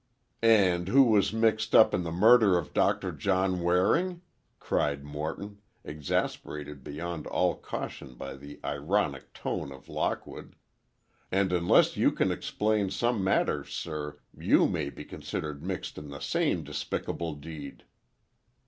"And who was mixed up in the murder of Doctor John Waring?" cried Morton, exasperated beyond all caution by the ironic tone of Lockwood. "And, unless you can explain some matters, sir, you may be considered mixed in the same despicable deed!"